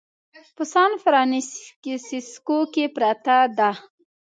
په سان فرانسیسکو کې پرته ده.